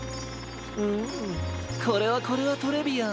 うんこれはこれはトレビアン！